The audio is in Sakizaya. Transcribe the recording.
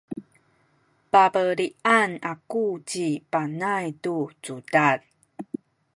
pabelian aku ci Panay tu cudad.